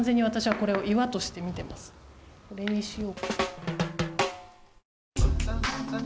これにしよう。